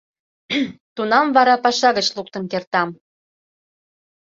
Тунам вара паша гыч луктын кертам».